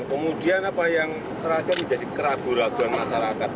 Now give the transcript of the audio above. kemudian apa yang terakhir menjadi keraguan keraguan masyarakat